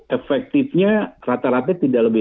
efektifnya rata rata tidak lebih